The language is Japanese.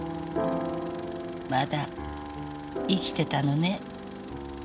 まだ生きてたのね。